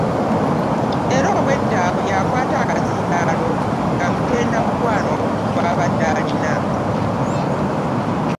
Era obwedda buli akwata akazindaalo ng'amutenda omukwano gw'abadde alina